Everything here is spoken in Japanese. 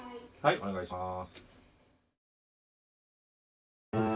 おねがいします。